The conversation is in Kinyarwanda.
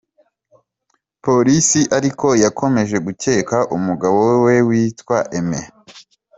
Polisi ariko yakomeje gukeka umugabo we witwa Aimé N.